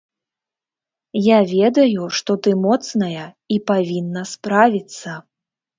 Я ведаю, што ты моцная і павінна справіцца.